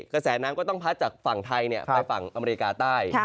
กระแสน้ำก็ต้องพัดจากฝั่งไทยไปฝั่งอเมริกาใต้